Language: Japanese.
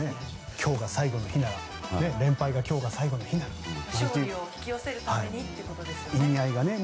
「今日が最後の日なら」連敗が「今日が最後の日なら」という。